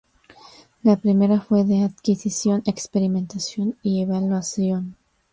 La primera fue de adquisición, experimentación y evaluación.